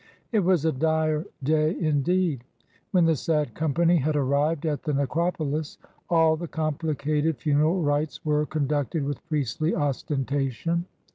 It was a dire day, indeed. When the sad company had arrived at the necropolis, all the complicated funeral rites were conducted with priestly ostentation.